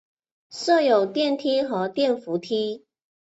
设有电梯与电扶梯。